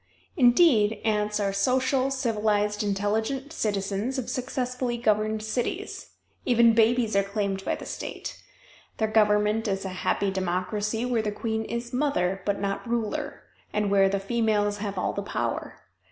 Indeed, ants are social, civilized, intelligent citizens of successfully governed cities. Even babies are claimed by the state. Their government is a happy democracy where the queen is "mother" but not ruler, and where the females have all the power.